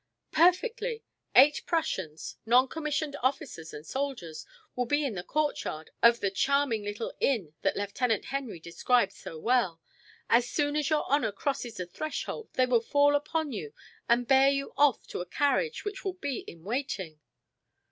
"Perfectly. Eight Prussians non commissioned officers and soldiers will be in the courtyard of the charming little inn that Lieutenant Henry described so well. As soon as your honor crosses the threshold they will fall upon you and bear you off to a carriage which will be in waiting."